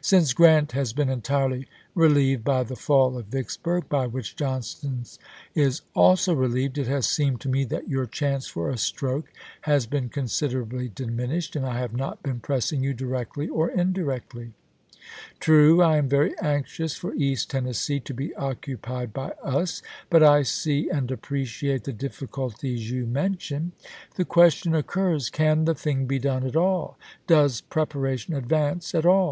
Since Grant has been entirely relieved by the fall of Vicksburg, by which Johnston is also relieved, Vol. VIIL— 5 66 ABRAHAM LINCOLN Lincoln to Rosecrans, Aug. 10, 1863. MS. it has seemed to me that your chance for a stroke has been considerably diminished, and I have not been pressing you directly or indirectly. True, I am very anxious for East Tennessee to be occu pied by us ; but I see and appreciate the difficul ties you mention. The question occurs, Can the thing be done at all ? Does preparation advance at all